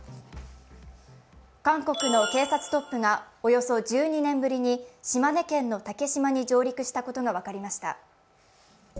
韓国の警察トップがおよそ１２年ぶりに島根県の竹島に上陸したことが分かりました。